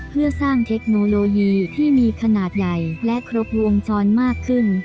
เพื่อสร้างเทคโนโลยีที่มีขนาดใหญ่และครบวงจรมากขึ้น